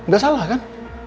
gak salah kan